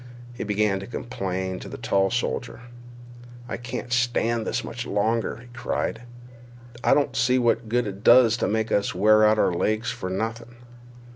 He began to complain to the tall soldier. "I can't stand this much longer," he cried. "I don't see what good it does to make us wear out our legs for nothin'."